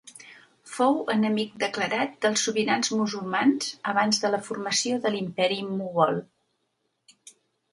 Fou enemic declarat dels sobirans musulmans abans de la formació de l'Imperi Mogol.